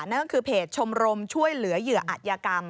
นั่นก็คือเพจชมรมช่วยเหลือเหยื่ออัธยกรรม